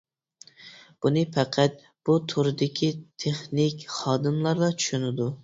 بۇنى پەقەت بۇ تۇردىكى تېخنىك خادىملارلا چۈشىنىدۇ.